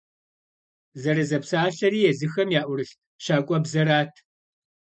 Зэрызэпсалъэри езыхэм яӀурылъ щакӀуэбзэрат.